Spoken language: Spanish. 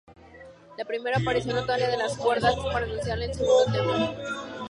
La primera aparición notable de las cuerdas es para anunciar el segundo tema.